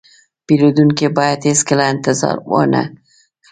پیرودونکی باید هیڅکله انتظار وانهخلي.